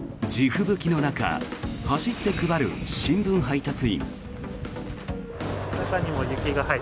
地吹雪の中走って配る新聞配達員。